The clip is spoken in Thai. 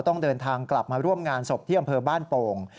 ต้องเดินทางกลับมาร่วมงานศพที่อำเภอบ้านโป่ง